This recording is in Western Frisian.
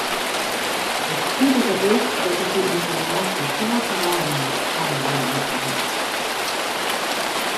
It spitige is dat ik dy ynformaasje sels byinoar fandelje moatten haw.